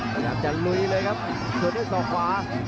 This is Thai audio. พยายามจะลุยเลยครับส่วนให้ส่วนขวา